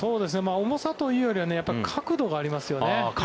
重さというよりは角度がありますよね。